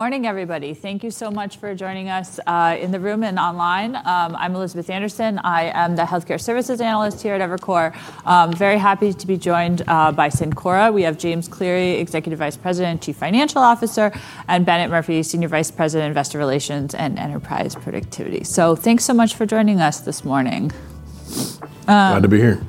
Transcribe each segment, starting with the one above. Morning, everybody. Thank you so much for joining us in the room and online. I'm Elizabeth Anderson. I am the Healthcare Services Analyst here at Evercore. I'm very happy to be joined by Cencora. We have James Cleary, Executive Vice President, Chief Financial Officer, and Bennett Murphy, Senior Vice President, Investor Relations and Enterprise Productivity. Thank you so much for joining us this morning. Glad to be here.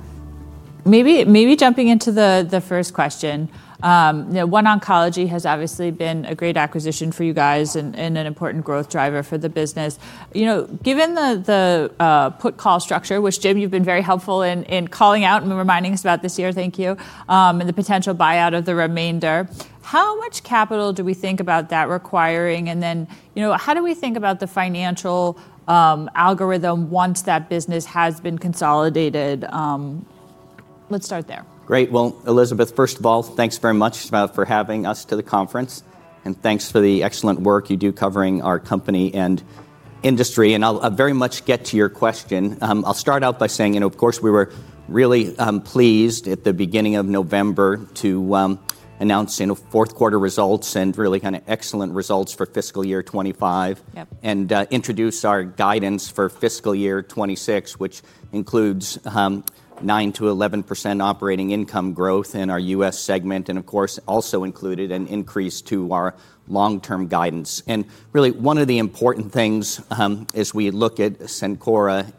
Maybe jumping into the first question. OneOncology has obviously been a great acquisition for you guys and an important growth driver for the business. Given the put-call structure, which, James, you've been very helpful in calling out and reminding us about this year, thank you, and the potential buyout of the remainder, how much capital do we think about that requiring? And then how do we think about the financial algorithm once that business has been consolidated? Let's start there. Great. Elizabeth, first of all, thanks very much for having us to the conference. Thanks for the excellent work you do covering our company and industry. I'll very much get to your question. I'll start out by saying, of course, we were really pleased at the beginning of November to announce fourth-quarter results and really kind of excellent results for fiscal year 2025 and introduce our guidance for fiscal year 2026, which includes 9%-11% operating income growth in our U.S. segment. Of course, it also included an increase to our long-term guidance. Really, one of the important things as we look at Cencora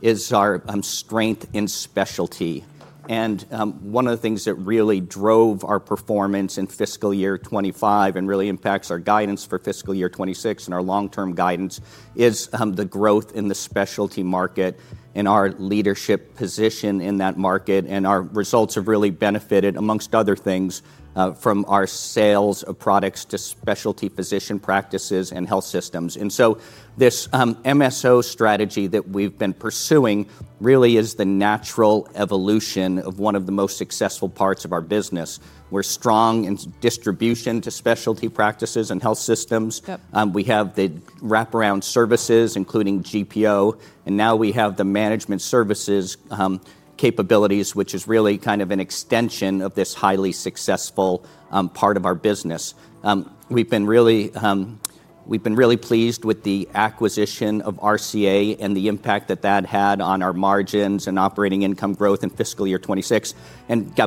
is our strength in specialty. One of the things that really drove our performance in fiscal year 2025 and really impacts our guidance for fiscal year 2026 and our long-term guidance is the growth in the specialty market and our leadership position in that market. Our results have really benefited, amongst other things, from our sales of products to specialty physician practices and health systems. This MSO strategy that we've been pursuing really is the natural evolution of one of the most successful parts of our business. We're strong in distribution to specialty practices and health systems. We have the wraparound services, including GPO. Now we have the management services capabilities, which is really kind of an extension of this highly successful part of our business. We've been really pleased with the acquisition of RCA and the impact that that had on our margins and operating income growth in fiscal year 2026.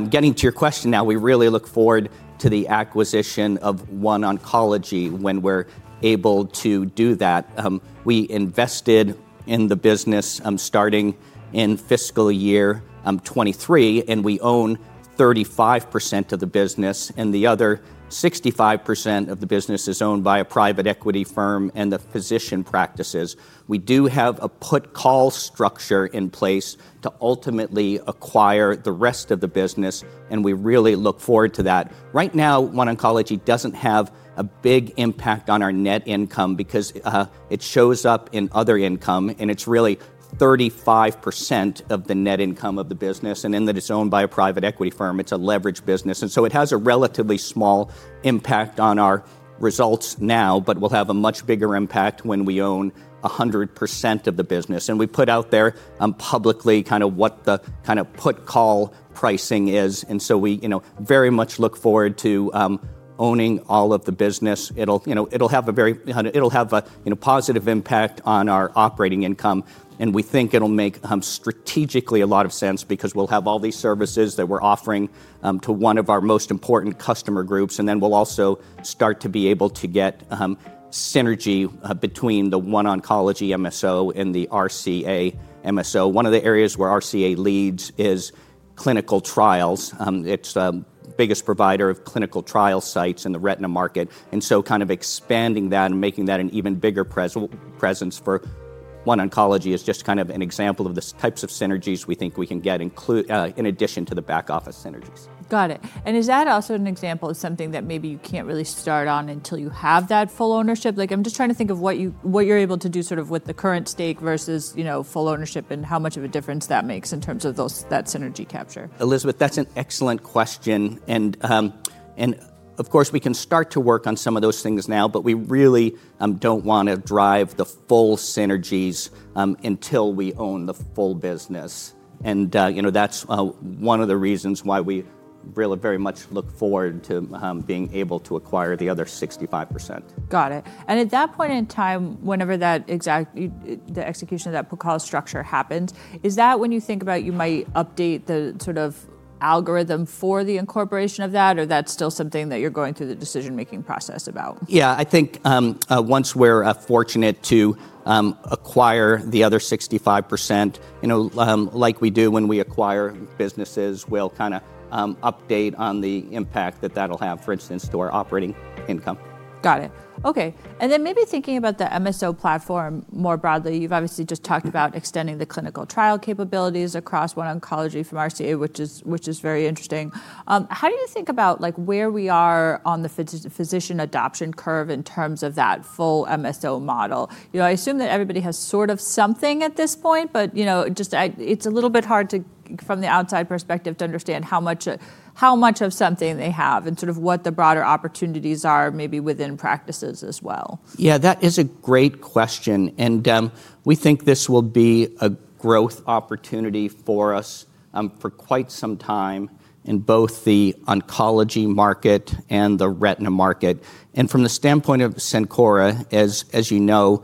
Getting to your question now, we really look forward to the acquisition of OneOncology when we're able to do that. We invested in the business starting in fiscal year 2023, and we own 35% of the business. The other 65% of the business is owned by a private equity firm and the physician practices. We do have a put-call structure in place to ultimately acquire the rest of the business. We really look forward to that. Right now, OneOncology doesn't have a big impact on our net income because it shows up in other income. It's really 35% of the net income of the business. Then that it's owned by a private equity firm. It's a leveraged business. It has a relatively small impact on our results now, but we'll have a much bigger impact when we own 100% of the business. We put out there publicly kind of what the kind of put-call pricing is. We very much look forward to owning all of the business. It'll have a very positive impact on our operating income. We think it'll make strategically a lot of sense because we'll have all these services that we're offering to one of our most important customer groups. We'll also start to be able to get synergy between the OneOncology MSO and the RCA MSO. One of the areas where RCA leads is clinical trials. It's the biggest provider of clinical trial sites in the retina market. Kind of expanding that and making that an even bigger presence for OneOncology is just kind of an example of the types of synergies we think we can get in addition to the back-office synergies. Got it. Is that also an example of something that maybe you can't really start on until you have that full ownership? I'm just trying to think of what you're able to do sort of with the current stake versus full ownership and how much of a difference that makes in terms of that synergy capture. Elizabeth, that's an excellent question. Of course, we can start to work on some of those things now, but we really don't want to drive the full synergies until we own the full business. That's one of the reasons why we really very much look forward to being able to acquire the other 65%. Got it. At that point in time, whenever the execution of that put-call structure happens, is that when you think about you might update the sort of algorithm for the incorporation of that, or that's still something that you're going through the decision-making process about? Yeah, I think once we're fortunate to acquire the other 65%, like we do when we acquire businesses, we'll kind of update on the impact that that'll have, for instance, to our operating income. Got it. Okay. Maybe thinking about the MSO platform more broadly, you've obviously just talked about extending the clinical trial capabilities across OneOncology from RCA, which is very interesting. How do you think about where we are on the physician adoption curve in terms of that full MSO model? I assume that everybody has sort of something at this point, but it's a little bit hard from the outside perspective to understand how much of something they have and sort of what the broader opportunities are maybe within practices as well. Yeah, that is a great question. We think this will be a growth opportunity for us for quite some time in both the oncology market and the retina market. From the standpoint of Cencora, as you know,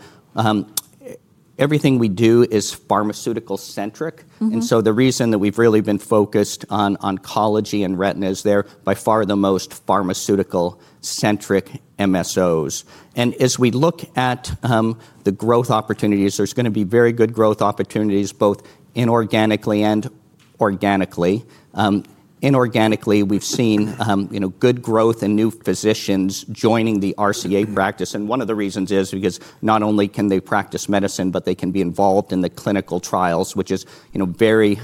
everything we do is pharmaceutical-centric. The reason that we've really been focused on oncology and retina is they're by far the most pharmaceutical-centric MSOs. As we look at the growth opportunities, there's going to be very good growth opportunities both inorganically and organically. Inorganically, we've seen good growth and new physicians joining the RCA practice. One of the reasons is because not only can they practice medicine, but they can be involved in the clinical trials, which is very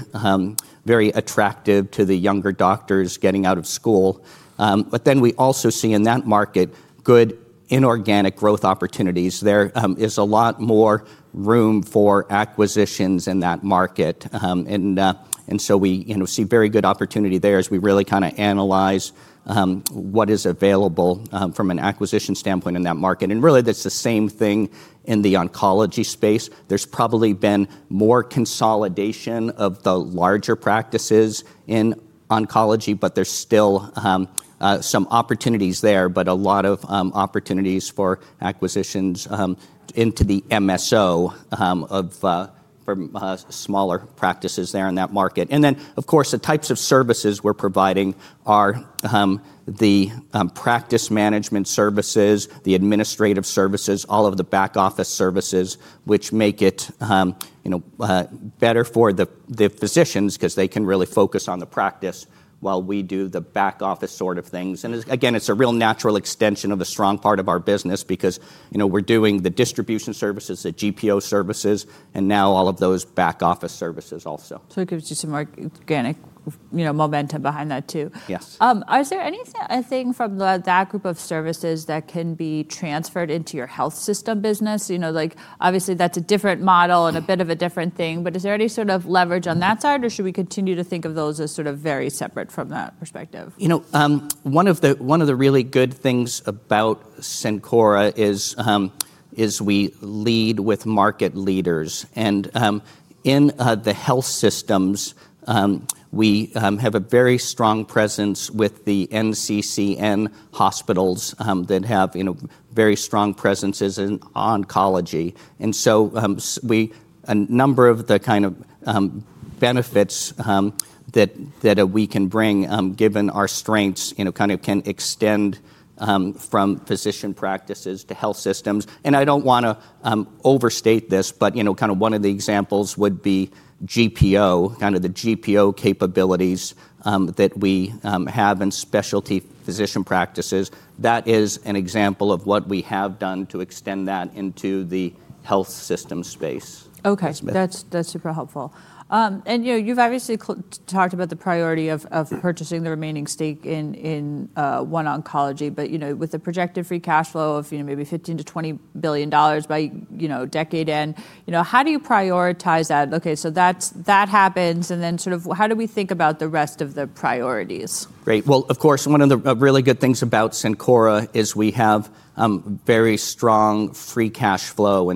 attractive to the younger doctors getting out of school. We also see in that market good inorganic growth opportunities. There is a lot more room for acquisitions in that market. We see very good opportunity there as we really kind of analyze what is available from an acquisition standpoint in that market. Really, that's the same thing in the oncology space. There has probably been more consolidation of the larger practices in oncology, but there are still some opportunities there, and a lot of opportunities for acquisitions into the MSO for smaller practices in that market. Of course, the types of services we are providing are the practice management services, the administrative services, all of the back-office services, which make it better for the physicians because they can really focus on the practice while we do the back-office sort of things. It is a real natural extension of a strong part of our business because we are doing the distribution services, the GPO services, and now all of those back-office services also. It gives you some organic momentum behind that too. Yes. Is there anything from that group of services that can be transferred into your health system business? Obviously, that's a different model and a bit of a different thing. Is there any sort of leverage on that side, or should we continue to think of those as sort of very separate from that perspective? One of the really good things about Cencora is we lead with market leaders. In the health systems, we have a very strong presence with the NCCN hospitals that have very strong presences in oncology. A number of the kind of benefits that we can bring, given our strengths, kind of can extend from physician practices to health systems. I do not want to overstate this, but kind of one of the examples would be GPO, kind of the GPO capabilities that we have in specialty physician practices. That is an example of what we have done to extend that into the health system space. Okay. That's super helpful. And you've obviously talked about the priority of purchasing the remaining stake in OneOncology, but with the projected free cash flow of maybe $15 billion-$20 billion by decade end, how do you prioritize that? Okay, so that happens. And then sort of how do we think about the rest of the priorities? Great. Of course, one of the really good things about Cencora is we have very strong free cash flow.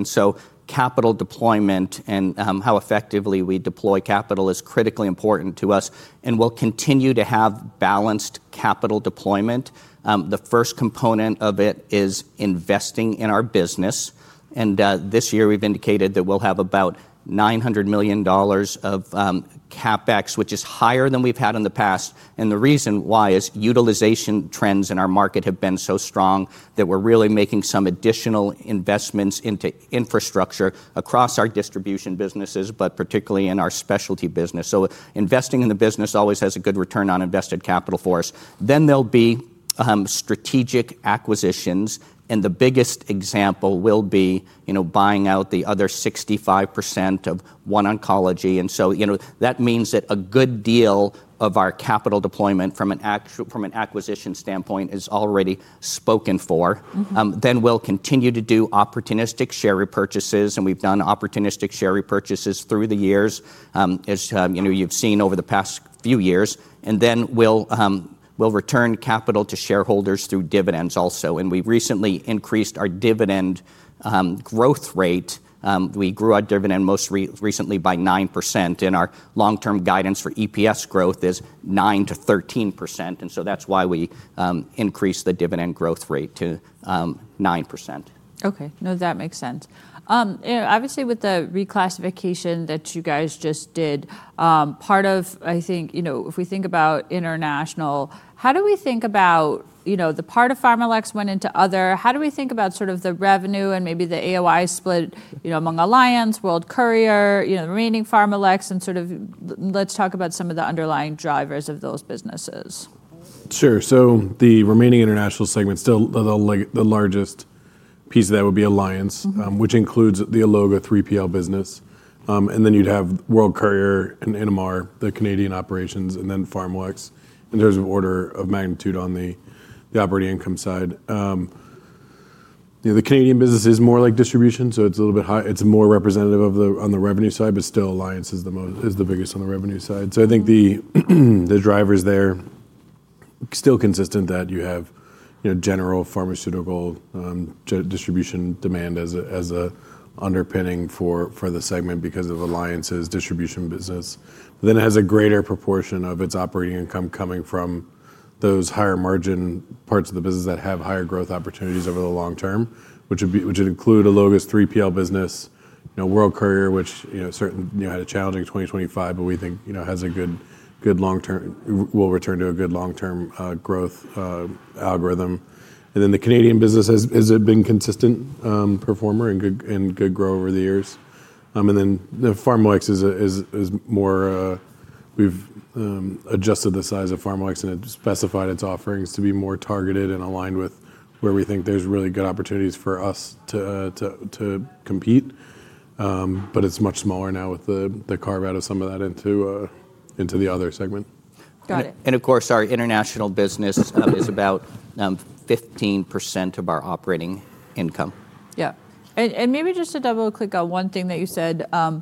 Capital deployment and how effectively we deploy capital is critically important to us. We'll continue to have balanced capital deployment. The first component of it is investing in our business. This year, we've indicated that we'll have about $900 million of CapEx, which is higher than we've had in the past. The reason why is utilization trends in our market have been so strong that we're really making some additional investments into infrastructure across our distribution businesses, particularly in our specialty business. Investing in the business always has a good return on invested capital for us. There'll be strategic acquisitions. The biggest example will be buying out the other 65% of OneOncology. That means that a good deal of our capital deployment from an acquisition standpoint is already spoken for. We will continue to do opportunistic share repurchases. We have done opportunistic share repurchases through the years, as you have seen over the past few years. We will return capital to shareholders through dividends also. We recently increased our dividend growth rate. We grew our dividend most recently by 9%. Our long-term guidance for EPS growth is 9%-13%. That is why we increased the dividend growth rate to 9%. Okay. No, that makes sense. Obviously, with the reclassification that you guys just did, part of, I think, if we think about international, how do we think about the part of PharmaLex went into other? How do we think about sort of the revenue and maybe the AOI split among Alliance, World Courier, remaining PharmaLex, and sort of let's talk about some of the underlying drivers of those businesses. Sure. The remaining international segment, still the largest piece of that would be Alliance, which includes the Alloga 3PL business. Then you have World Courier and Innomar, the Canadian operations, and then PharmaLex in terms of order of magnitude on the operating income side. The Canadian business is more like distribution, so it's a little bit high. It's more representative on the revenue side, but still Alliance is the biggest on the revenue side. I think the drivers there are still consistent that you have general pharmaceutical distribution demand as an underpinning for the segment because of Alliance's distribution business. It has a greater proportion of its operating income coming from those higher margin parts of the business that have higher growth opportunities over the long term, which would include Alloga's 3PL business, World Courier, which certainly had a challenging 2025, but we think has a good long-term will return to a good long-term growth algorithm. The Canadian business has been a consistent performer and good growth over the years. Pharmalex is more we've adjusted the size of Pharmalex and specified its offerings to be more targeted and aligned with where we think there's really good opportunities for us to compete. It's much smaller now with the carve-out of some of that into the other segment. Got it. Of course, our international business is about 15% of our operating income. Yeah. Maybe just to double-click on one thing that you said, the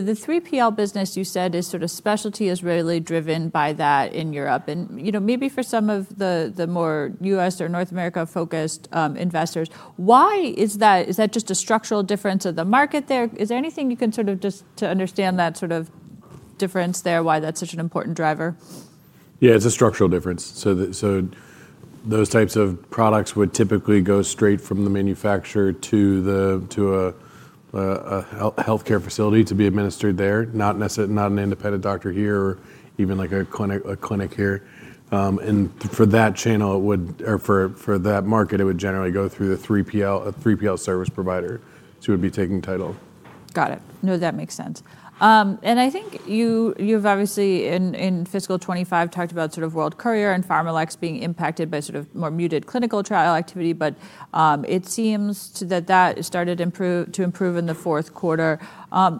3PL business you said is sort of specialty is really driven by that in Europe. Maybe for some of the more U.S. or North America-focused investors, why is that? Is that just a structural difference of the market there? Is there anything you can sort of just to understand that sort of difference there, why that's such an important driver? Yeah, it's a structural difference. Those types of products would typically go straight from the manufacturer to a healthcare facility to be administered there, not an independent doctor here or even like a clinic here. For that channel, or for that market, it would generally go through the 3PL service provider, so it would be taking title. Got it. No, that makes sense. I think you've obviously in fiscal 2025 talked about sort of World Courier and PharmaLex being impacted by sort of more muted clinical trial activity, but it seems that that started to improve in the fourth quarter.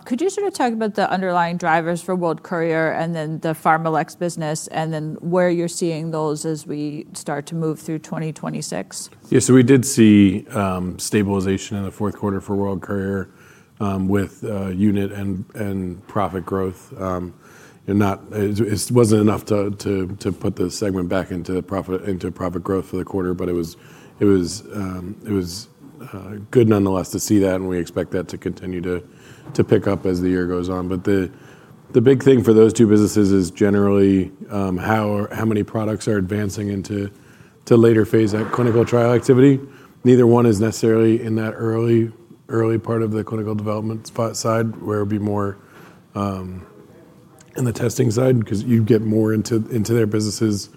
Could you sort of talk about the underlying drivers for World Courier and then the PharmaLex business and then where you're seeing those as we start to move through 2026? Yeah, so we did see stabilization in the fourth quarter for World Courier with unit and profit growth. It wasn't enough to put the segment back into profit growth for the quarter, but it was good nonetheless to see that, and we expect that to continue to pick up as the year goes on. The big thing for those two businesses is generally how many products are advancing into later phase clinical trial activity. Neither one is necessarily in that early part of the clinical development side where it would be more in the testing side because you get more into their businesses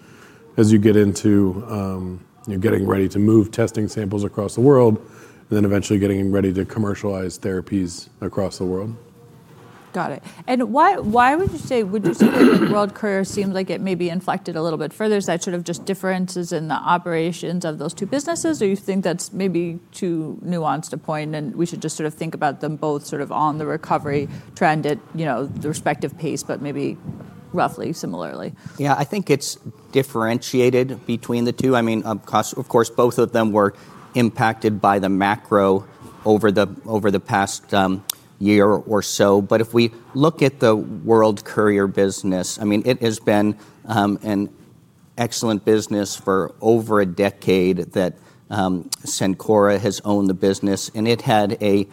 as you get into getting ready to move testing samples across the world and then eventually getting ready to commercialize therapies across the world. Got it. Why would you say that World Courier seems like it may be inflected a little bit further? Is that sort of just differences in the operations of those two businesses, or do you think that's maybe too nuanced a point and we should just sort of think about them both sort of on the recovery trend at the respective pace, but maybe roughly similarly? Yeah, I think it's differentiated between the two. I mean, of course, both of them were impacted by the macro over the past year or so. If we look at the World Courier business, I mean, it has been an excellent business for over a decade that Cencora has owned the business. It had a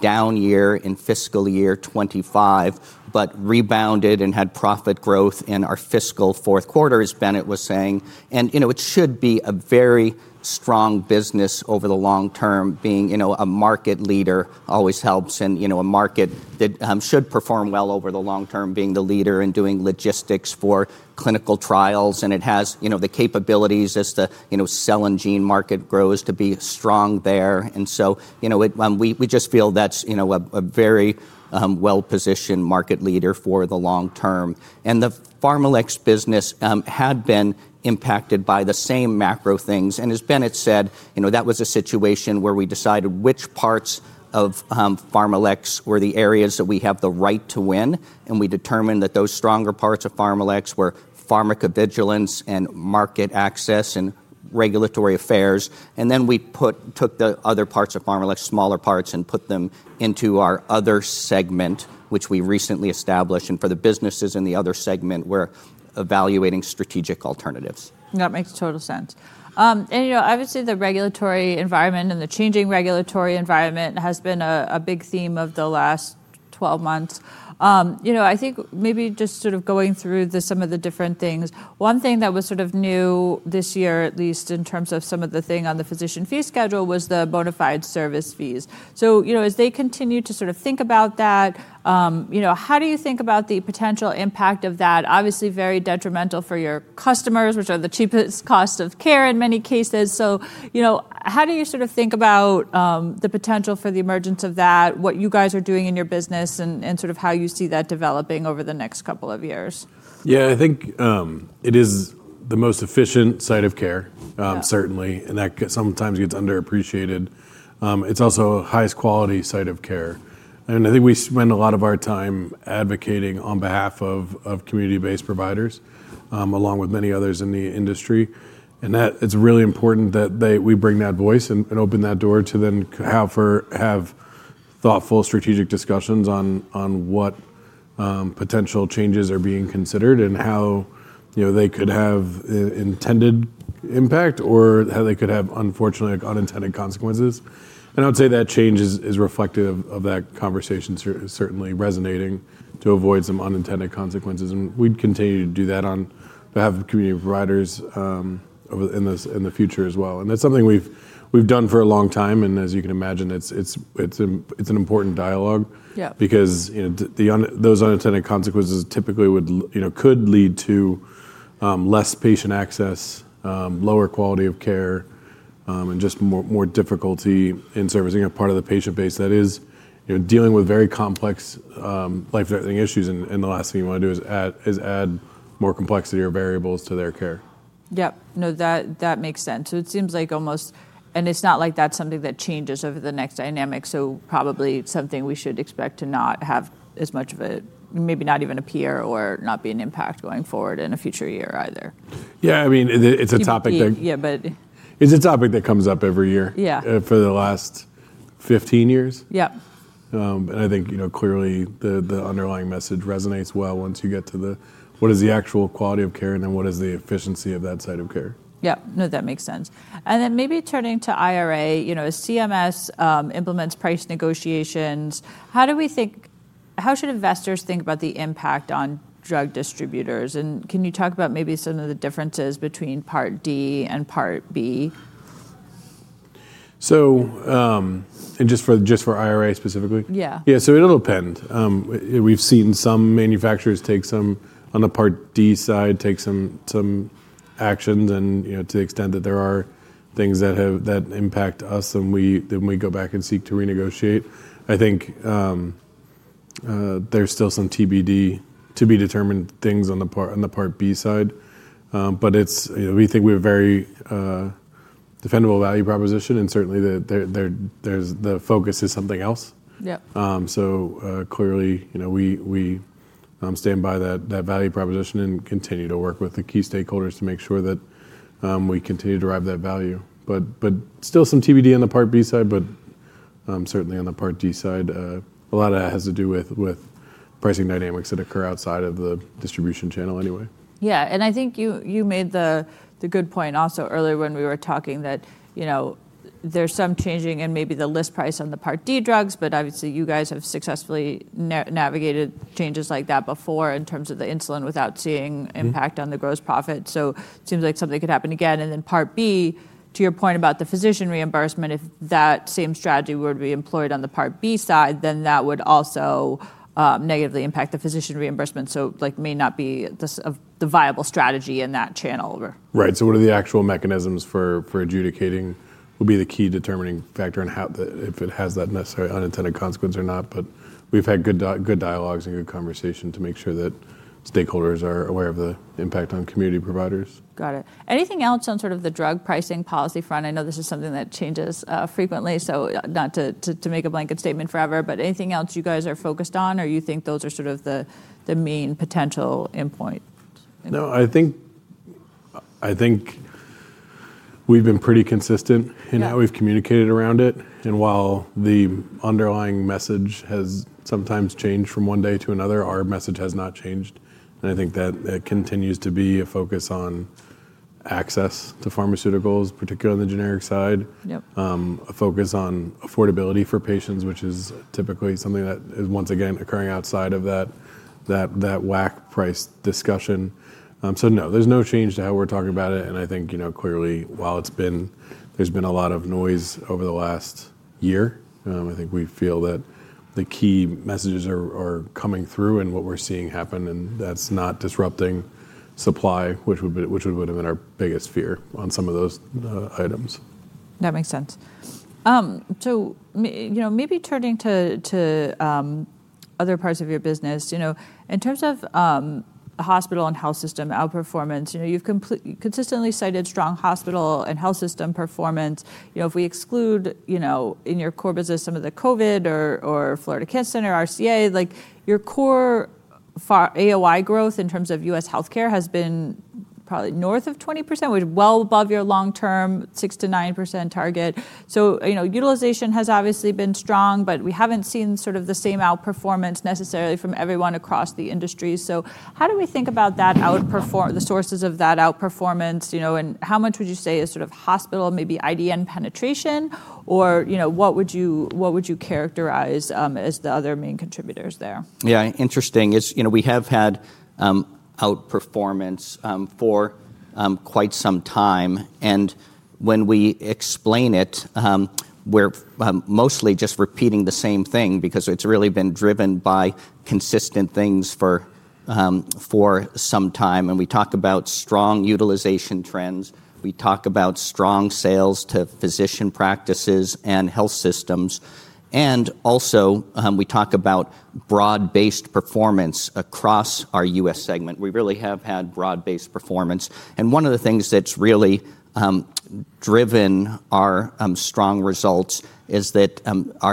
down year in fiscal year 2025, but rebounded and had profit growth in our fiscal fourth quarter, as Bennett was saying. It should be a very strong business over the long term. Being a market leader always helps, and a market that should perform well over the long term, being the leader in doing logistics for clinical trials. It has the capabilities as the cell and gene market grows to be strong there. We just feel that's a very well-positioned market leader for the long term. The PharmaLex business had been impacted by the same macro things. As Bennett said, that was a situation where we decided which parts of PharmaLex were the areas that we have the right to win. We determined that those stronger parts of PharmaLex were pharmacovigilance and market access and regulatory affairs. We took the other parts of PharmaLex, smaller parts, and put them into our other segment, which we recently established. For the businesses in the other segment, we're evaluating strategic alternatives. That makes total sense. Obviously, the regulatory environment and the changing regulatory environment has been a big theme of the last 12 months. I think maybe just sort of going through some of the different things, one thing that was sort of new this year, at least in terms of some of the thing on the Physician fee schedule, was the bona fide service fees. As they continue to sort of think about that, how do you think about the potential impact of that? Obviously, very detrimental for your customers, which are the cheapest cost of care in many cases. How do you sort of think about the potential for the emergence of that, what you guys are doing in your business, and sort of how you see that developing over the next couple of years? Yeah, I think it is the most efficient site of care, certainly, and that sometimes gets underappreciated. It's also a highest quality site of care. I think we spend a lot of our time advocating on behalf of community-based providers, along with many others in the industry. It's really important that we bring that voice and open that door to then have thoughtful strategic discussions on what potential changes are being considered and how they could have intended impact or how they could have, unfortunately, unintended consequences. I would say that change is reflective of that conversation, certainly resonating to avoid some unintended consequences. We'd continue to do that on to have community providers in the future as well. That's something we've done for a long time. As you can imagine, it's an important dialogue because those unintended consequences typically could lead to less patient access, lower quality of care, and just more difficulty in servicing a part of the patient base that is dealing with very complex life-threatening issues. The last thing you want to do is add more complexity or variables to their care. Yep. No, that makes sense. It seems like almost, and it's not like that's something that changes over the next dynamic. Probably something we should expect to not have as much of, maybe not even appear or not be an impact going forward in a future year either. Yeah. I mean, it's a topic that. Yeah, but. It's a topic that comes up every year for the last 15 years. Yep. I think clearly the underlying message resonates well once you get to the what is the actual quality of care and then what is the efficiency of that side of care. Yep. No, that makes sense. Maybe turning to IRA, CMS implements price negotiations. How do we think, how should investors think about the impact on drug distributors? Can you talk about maybe some of the differences between Part D and Part B? Just for IRA specifically? Yeah. Yeah. It'll depend. We've seen some manufacturers on the Part D side take some actions. To the extent that there are things that impact us and we go back and seek to renegotiate, I think there are still some TBD to be determined things on the Part B side. We think we have a very defendable value proposition. Certainly, the focus is something else. Clearly, we stand by that value proposition and continue to work with the key stakeholders to make sure that we continue to drive that value. There is still some TBD on the Part B side, but certainly on the Part D side. A lot of that has to do with pricing dynamics that occur outside of the distribution channel anyway. Yeah. I think you made the good point also earlier when we were talking that there's some changing in maybe the list price on the Part D drugs, but obviously, you guys have successfully navigated changes like that before in terms of the insulin without seeing impact on the gross profit. It seems like something could happen again. Part B, to your point about the physician reimbursement, if that same strategy were to be employed on the Part B side, that would also negatively impact the physician reimbursement. It may not be the viable strategy in that channel. Right. So what are the actual mechanisms for adjudicating would be the key determining factor on if it has that necessary unintended consequence or not. We've had good dialogues and good conversation to make sure that stakeholders are aware of the impact on community providers. Got it. Anything else on sort of the drug pricing policy front? I know this is something that changes frequently, so not to make a blanket statement forever, but anything else you guys are focused on or you think those are sort of the main potential endpoint? No, I think we've been pretty consistent in how we've communicated around it. While the underlying message has sometimes changed from one day to another, our message has not changed. I think that continues to be a focus on access to pharmaceuticals, particularly on the generic side, a focus on affordability for patients, which is typically something that is once again occurring outside of that WAC price discussion. No, there's no change to how we're talking about it. I think clearly, while there's been a lot of noise over the last year, we feel that the key messages are coming through and what we're seeing happen, and that's not disrupting supply, which would have been our biggest fear on some of those items. That makes sense. Maybe turning to other parts of your business, in terms of hospital and health system outperformance, you've consistently cited strong hospital and health system performance. If we exclude in your core business some of the COVID or Florida, RCA, your core AOI growth in terms of U.S. healthcare has been probably north of 20%, which is well above your long-term six-9% target. Utilization has obviously been strong, but we haven't seen sort of the same outperformance necessarily from everyone across the industry. How do we think about the sources of that outperformance? How much would you say is sort of hospital, maybe IDN penetration, or what would you characterize as the other main contributors there? Yeah, interesting. We have had outperformance for quite some time. When we explain it, we're mostly just repeating the same thing because it's really been driven by consistent things for some time. We talk about strong utilization trends. We talk about strong sales to physician practices and health systems. We talk about broad-based performance across our U.S. segment. We really have had broad-based performance. One of the things that's really driven our strong results is that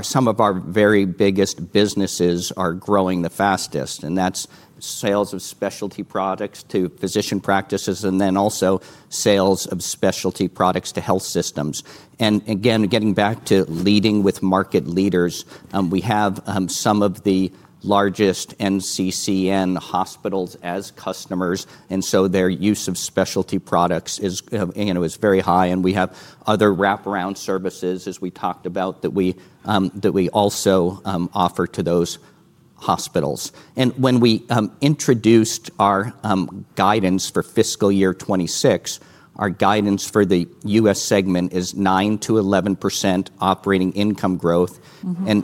some of our very biggest businesses are growing the fastest. That's sales of specialty products to physician practices and then also sales of specialty products to health systems. Getting back to leading with market leaders, we have some of the largest NCCN hospitals as customers. Their use of specialty products is very high. We have other wraparound services, as we talked about, that we also offer to those hospitals. When we introduced our guidance for fiscal year 2026, our guidance for the U.S. segment is nine-11% operating income growth.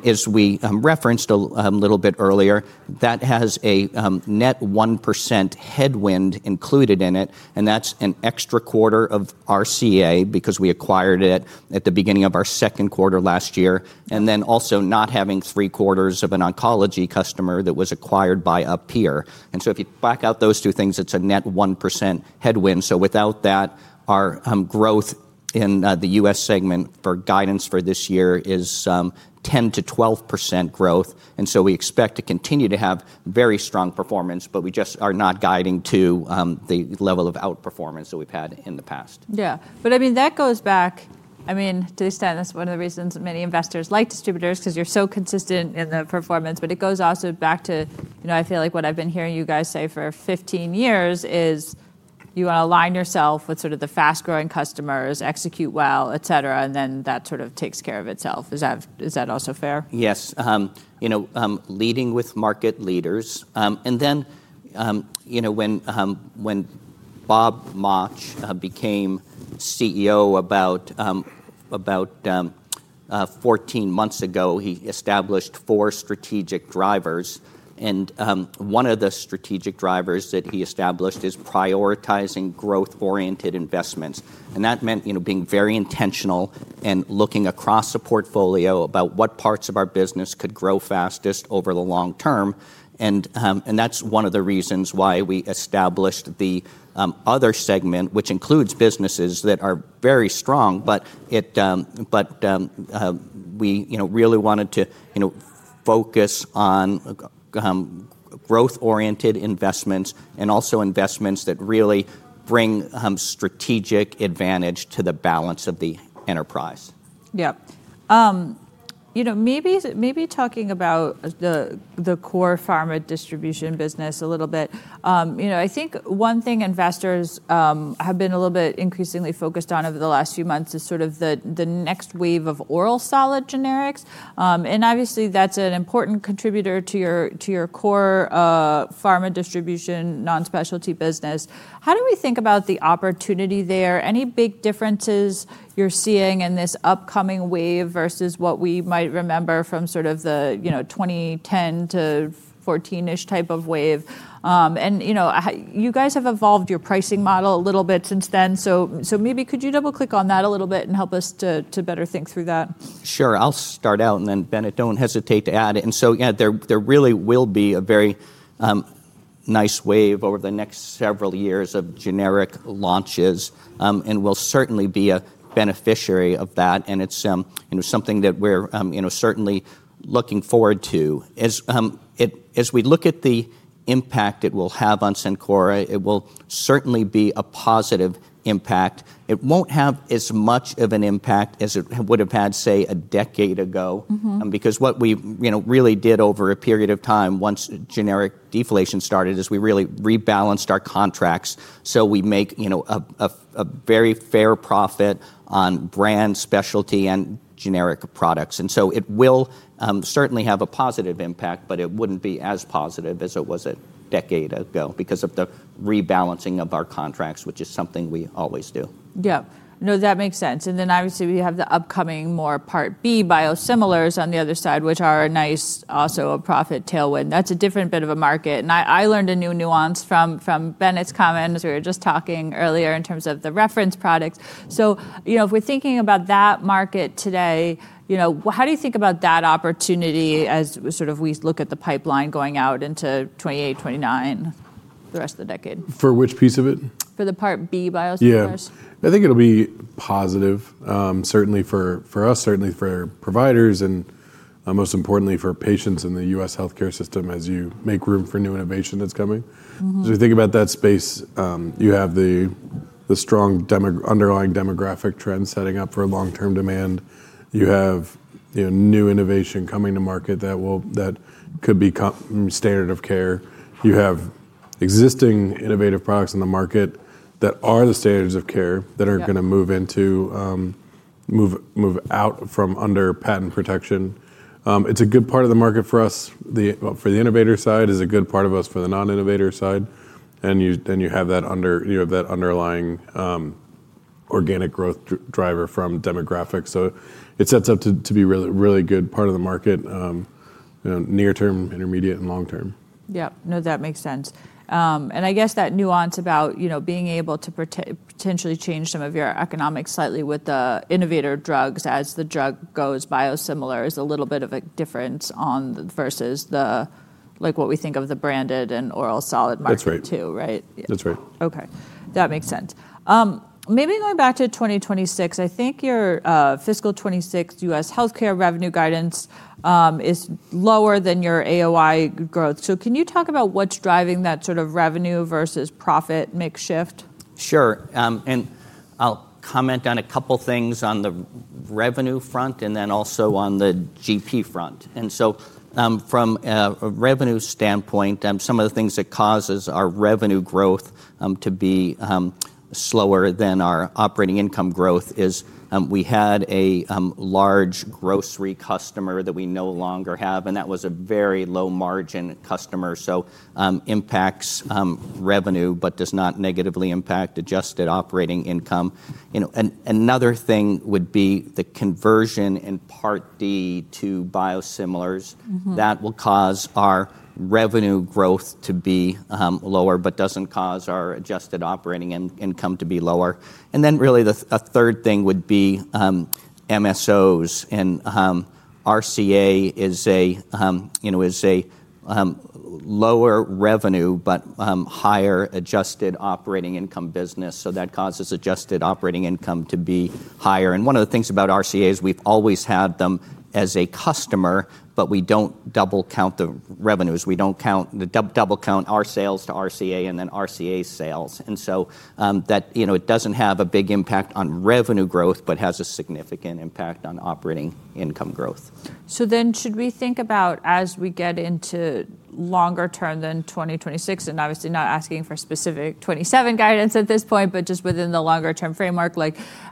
As we referenced a little bit earlier, that has a net 1% headwind included in it. That is an extra quarter of RCA because we acquired it at the beginning of our second quarter last year, and also not having three quarters of an oncology customer that was acquired by a peer. If you black out those two things, it is a net 1% headwind. Without that, our growth in the U.S. segment for guidance for this year is 10-12% growth. We expect to continue to have very strong performance, but we just are not guiding to the level of outperformance that we've had in the past. Yeah. I mean, that goes back, I mean, to the extent that's one of the reasons many investors like distributors because you're so consistent in the performance. It goes also back to, I feel like what I've been hearing you guys say for 15 years is you want to align yourself with sort of the fast-growing customers, execute well, et cetera, and then that sort of takes care of itself. Is that also fair? Yes. Leading with market leaders. When Bob Mauch became CEO about 14 months ago, he established four strategic drivers. One of the strategic drivers that he established is prioritizing growth-oriented investments. That meant being very intentional and looking across the portfolio about what parts of our business could grow fastest over the long term. That is one of the reasons why we established the other segment, which includes businesses that are very strong, but we really wanted to focus on growth-oriented investments and also investments that really bring strategic advantage to the balance of the enterprise. Yeah. Maybe talking about the core pharma distribution business a little bit, I think one thing investors have been a little bit increasingly focused on over the last few months is sort of the next wave of oral solid generics. Obviously, that's an important contributor to your core pharma distribution non-specialty business. How do we think about the opportunity there? Any big differences you're seeing in this upcoming wave versus what we might remember from sort of the 2010 to 2014-ish type of wave? You guys have evolved your pricing model a little bit since then. Maybe could you double-click on that a little bit and help us to better think through that? Sure. I'll start out, and then Bennett, don't hesitate to add. Yeah, there really will be a very nice wave over the next several years of generic launches. We'll certainly be a beneficiary of that. It's something that we're certainly looking forward to. As we look at the impact it will have on Cencora, it will certainly be a positive impact. It won't have as much of an impact as it would have had, say, a decade ago because what we really did over a period of time once generic deflation started is we really rebalanced our contracts so we make a very fair profit on brand specialty and generic products. It will certainly have a positive impact, but it wouldn't be as positive as it was a decade ago because of the rebalancing of our contracts, which is something we always do. Yeah. No, that makes sense. Obviously, we have the upcoming more Part B biosimilars on the other side, which are a nice also a profit tailwind. That is a different bit of a market. I learned a new nuance from Bennett's comments we were just talking earlier in terms of the reference products. If we are thinking about that market today, how do you think about that opportunity as sort of we look at the pipeline going out into 2028, 2029, the rest of the decade? For which piece of it? For the Part B biosimilars. Yeah. I think it'll be positive, certainly for us, certainly for providers, and most importantly, for patients in the U.S. healthcare system as you make room for new innovation that's coming. As we think about that space, you have the strong underlying demographic trends setting up for long-term demand. You have new innovation coming to market that could be standard of care. You have existing innovative products in the market that are the standards of care that are going to move out from under patent protection. It's a good part of the market for us for the innovator side, is a good part of us for the non-innovator side. You have that underlying organic growth driver from demographics. It sets up to be a really good part of the market near term, intermediate, and long term. Yeah. No, that makes sense. I guess that nuance about being able to potentially change some of your economics slightly with the innovator drugs as the drug goes biosimilars is a little bit of a difference versus what we think of the branded and oral solid market too, right? That's right. Okay. That makes sense. Maybe going back to 2026, I think your fiscal 2026 U.S. healthcare revenue guidance is lower than your AOI growth. Can you talk about what's driving that sort of revenue versus profit makeshift? Sure. I'll comment on a couple of things on the revenue front and then also on the GP front. From a revenue standpoint, some of the things that cause our revenue growth to be slower than our operating income growth is we had a large grocery customer that we no longer have, and that was a very low-margin customer. It impacts revenue, but does not negatively impact adjusted operating income. Another thing would be the conversion in Part D to biosimilars. That will cause our revenue growth to be lower, but does not cause our adjusted operating income to be lower. Really a third thing would be MSOs. RCA is a lower revenue, but higher adjusted operating income business. That causes adjusted operating income to be higher. One of the things about RCA is we've always had them as a customer, but we don't double count the revenues. We don't double count our sales to RCA and then RCA's sales. It doesn't have a big impact on revenue growth, but has a significant impact on operating income growth. Should we think about as we get into longer term than 2026, and obviously not asking for specific 2027 guidance at this point, but just within the longer term framework,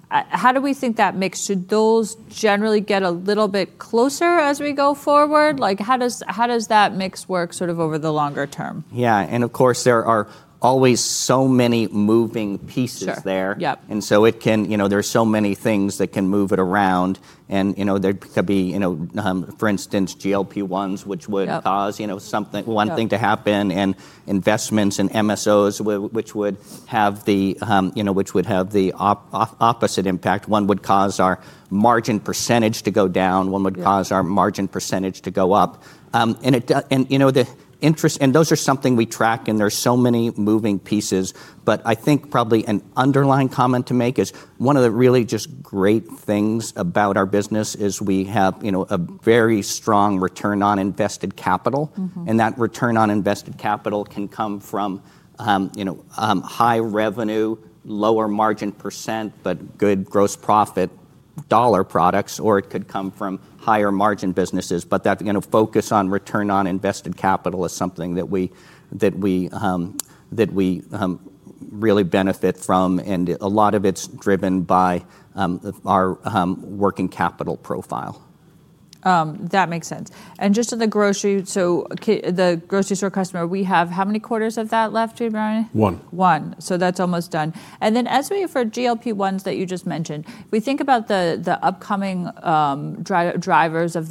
how do we think that mix should those generally get a little bit closer as we go forward? How does that mix work sort of over the longer term? Yeah. Of course, there are always so many moving pieces there. There are so many things that can move it around. There could be, for instance, GLP-1s, which would cause one thing to happen, and investments in MSOs, which would have the opposite impact. One would cause our margin percentage to go down. One would cause our margin percentage to go up. Those are something we track, and there are so many moving pieces. I think probably an underlying comment to make is one of the really just great things about our business is we have a very strong return on invested capital. That return on invested capital can come from high revenue, lower margin percent, but good gross profit dollar products, or it could come from higher margin businesses. That focus on return on invested capital is something that we really benefit from. A lot of it's driven by our working capital profile. That makes sense. Just on the grocery store customer, we have how many quarters of that left, GLP? One. One. That is almost done. Then as we look for GLP-1s that you just mentioned, if we think about the upcoming drivers of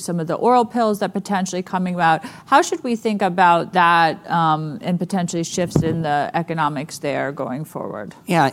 some of the oral pills that potentially are coming out, how should we think about that and potentially shifts in the economics there going forward? Yeah.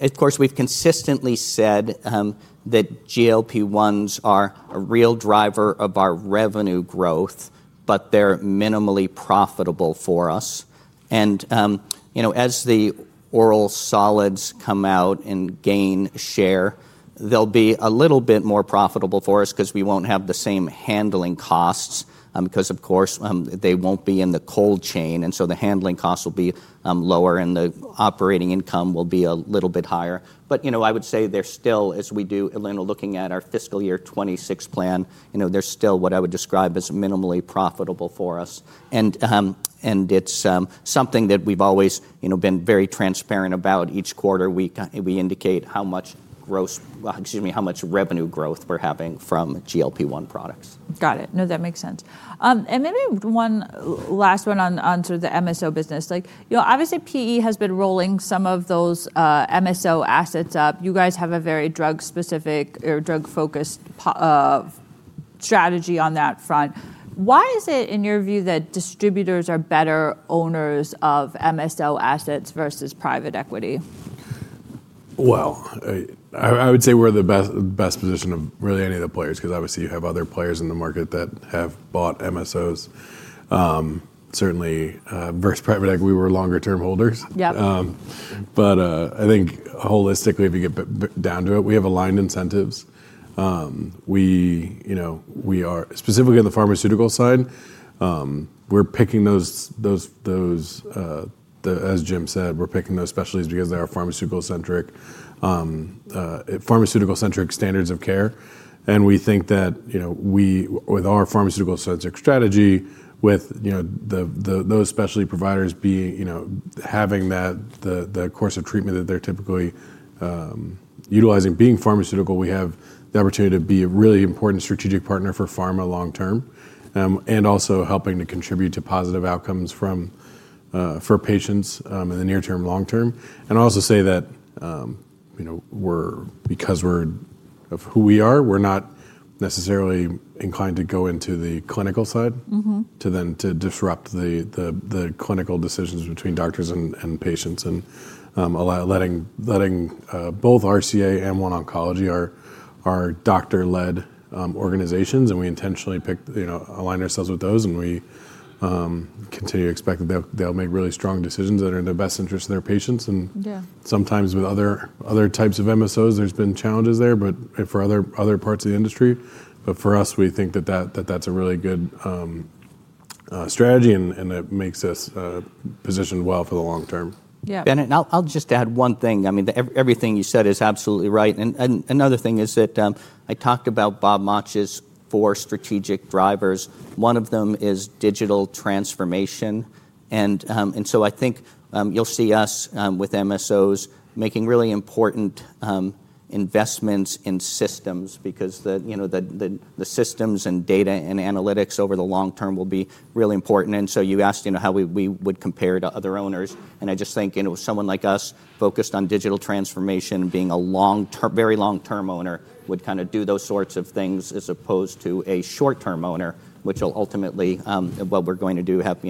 Of course, we've consistently said that GLP-1s are a real driver of our revenue growth, but they're minimally profitable for us. As the oral solids come out and gain share, they'll be a little bit more profitable for us because we won't have the same handling costs because, of course, they won't be in the cold chain. The handling costs will be lower, and the operating income will be a little bit higher. I would say there still, as we do looking at our fiscal year 2026 plan, there's still what I would describe as minimally profitable for us. It's something that we've always been very transparent about. Each quarter, we indicate how much revenue growth we're having from GLP-1 products. Got it. No, that makes sense. Maybe one last one on sort of the MSO business. Obviously, PE has been rolling some of those MSO assets up. You guys have a very drug-specific or drug-focused strategy on that front. Why is it, in your view, that distributors are better owners of MSO assets versus private equity? I would say we're in the best position of really any of the players because obviously you have other players in the market that have bought MSOs. Certainly, versus private equity, we were longer-term holders. I think holistically, if you get down to it, we have aligned incentives. Specifically on the pharmaceutical side, we're picking those, as James said, we're picking those specialties because they are pharmaceutical-centric standards of care. We think that with our pharmaceutical-centric strategy, with those specialty providers having the course of treatment that they're typically utilizing, being pharmaceutical, we have the opportunity to be a really important strategic partner for pharma long-term and also helping to contribute to positive outcomes for patients in the near-term, long-term. I'll also say that because of who we are, we're not necessarily inclined to go into the clinical side to disrupt the clinical decisions between doctors and patients. Letting both RCA and OneOncology are doctor-led organizations, and we intentionally align ourselves with those. We continue to expect that they'll make really strong decisions that are in the best interest of their patients. Sometimes with other types of MSOs, there's been challenges there for other parts of the industry. For us, we think that that's a really good strategy, and it makes us positioned well for the long term. Yeah. Bennett, I'll just add one thing. I mean, everything you said is absolutely right. Another thing is that I talked about Bob Mauch's four strategic drivers. One of them is digital transformation. I think you'll see us with MSOs making really important investments in systems because the systems and data and analytics over the long term will be really important. You asked how we would compare to other owners. I just think someone like us focused on digital transformation, being a very long-term owner, would kind of do those sorts of things as opposed to a short-term owner, which will ultimately, what we're going to do, have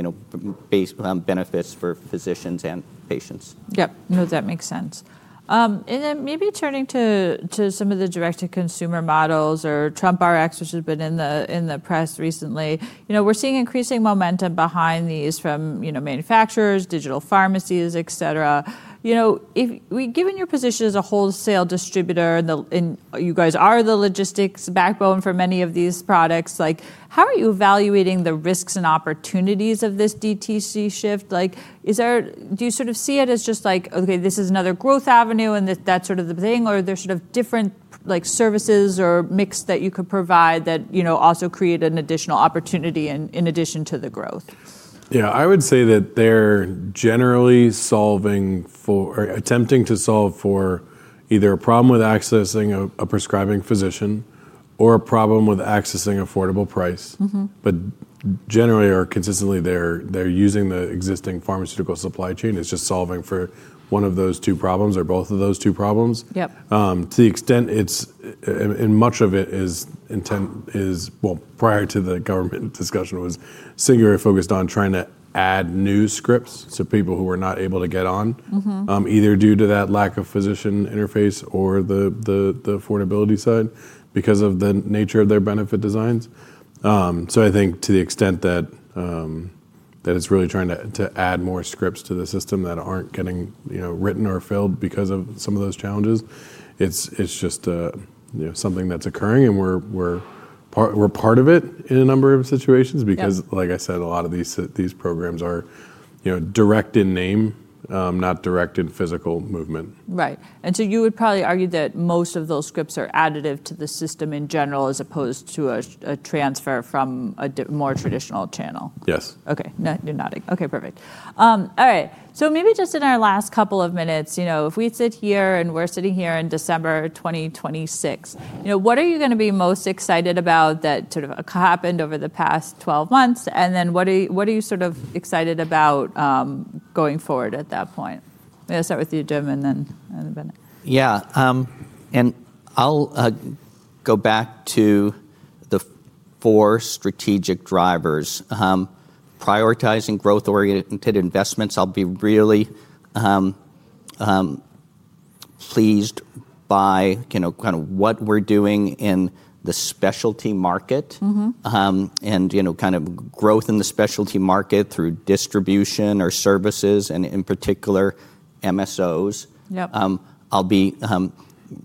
benefits for physicians and patients. Yep. No, that makes sense. Maybe turning to some of the direct-to-consumer models or Trump RX, which has been in the press recently, we're seeing increasing momentum behind these from manufacturers, digital pharmacies, etc. Given your position as a wholesale distributor, you guys are the logistics backbone for many of these products. How are you evaluating the risks and opportunities of this DTC shift? Do you sort of see it as just like, okay, this is another growth avenue and that's sort of the thing, or are there sort of different services or mix that you could provide that also create an additional opportunity in addition to the growth? Yeah. I would say that they're generally attempting to solve for either a problem with accessing a prescribing physician or a problem with accessing affordable price. Generally, or consistently, they're using the existing pharmaceutical supply chain. It's just solving for one of those two problems or both of those two problems. To the extent, much of it is, prior to the government discussion, was singularly focused on trying to add new scripts to people who were not able to get on, either due to that lack of physician interface or the affordability side because of the nature of their benefit designs. I think to the extent that it's really trying to add more scripts to the system that aren't getting written or filled because of some of those challenges, it's just something that's occurring. We're part of it in a number of situations because, like I said, a lot of these programs are direct in name, not direct in physical movement. Right. You would probably argue that most of those scripts are additive to the system in general as opposed to a transfer from a more traditional channel. Yes. Okay. No, you're nodding. Okay. Perfect. All right. Maybe just in our last couple of minutes, if we sit here and we're sitting here in December 2026, what are you going to be most excited about that sort of happened over the past 12 months? What are you sort of excited about going forward at that point? I'm going to start with you, James, and then Bennett. Yeah. I'll go back to the four strategic drivers. Prioritizing growth-oriented investments, I'll be really pleased by kind of what we're doing in the specialty market and kind of growth in the specialty market through distribution or services, and in particular, MSOs. I'll be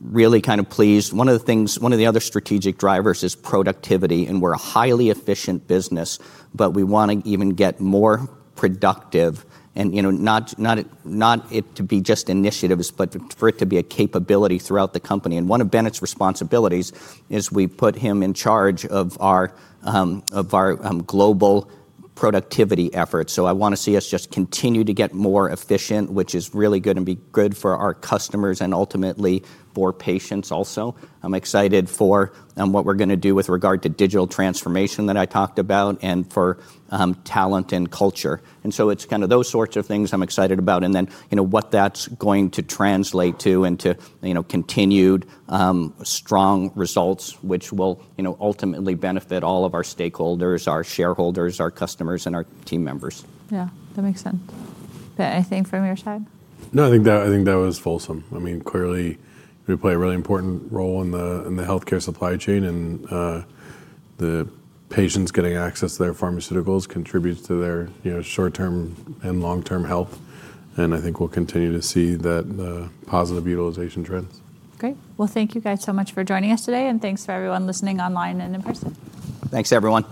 really kind of pleased. One of the other strategic drivers is productivity. We're a highly efficient business, but we want to even get more productive. Not it to be just initiatives, but for it to be a capability throughout the company. One of Bennett's responsibilities is we put him in charge of our global productivity efforts. I want to see us just continue to get more efficient, which is really going to be good for our customers and ultimately for patients also. I'm excited for what we're going to do with regard to digital transformation that I talked about and for talent and culture. It's kind of those sorts of things I'm excited about. What that's going to translate to into continued strong results, which will ultimately benefit all of our stakeholders, our shareholders, our customers, and our team members. Yeah. That makes sense. Bennett, anything from your side? No, I think that was fulsome. I mean, clearly, we play a really important role in the healthcare supply chain, and the patients getting access to their pharmaceuticals contributes to their short-term and long-term health. I think we'll continue to see the positive utilization trends. Great. Thank you guys so much for joining us today, and thanks for everyone listening online and in person. Thanks, everyone.